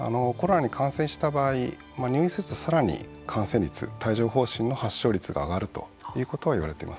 コロナに感染した場合入院すると、さらに感染率帯状ほう疹の発症率があがるということがいわれています。